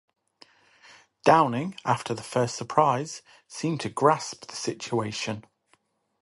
Downing, after the first surprise, seemed to grasp the situation.